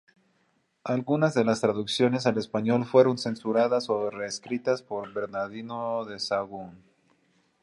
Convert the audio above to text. Algunas de las traducciones al español fueron censuradas o reescritas por Bernardino de Sahagún.